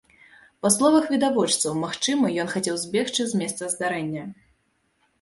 Па словах відавочцаў, магчыма, ён хацеў збегчы з месца здарэння.